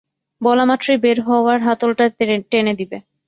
বলা মাত্রই বের হওয়ার হাতলটা টেনে দেবে।